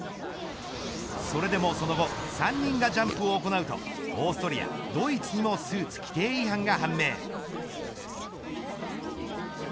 それでも、その後３人がジャンプを行うとオーストリア、ドイツにも規定違反が判明。